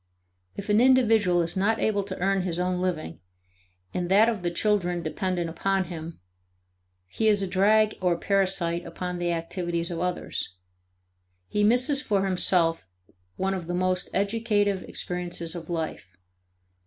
If an individual is not able to earn his own living and that of the children dependent upon him, he is a drag or parasite upon the activities of others. He misses for himself one of the most educative experiences of life.